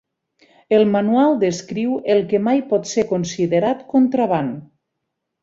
El manual descriu el que mai pot ser considerat contraban.